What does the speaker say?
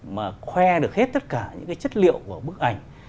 mà khoe được hết tất cả những cái chất liệu của bức ảnh